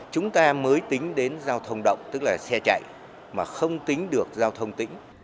chúng ta mới tính đến giao thông động tức là xe chạy mà không tính được giao thông tĩnh